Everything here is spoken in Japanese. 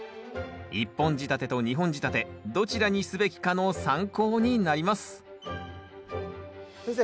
１本仕立てと２本仕立てどちらにすべきかの参考になります先生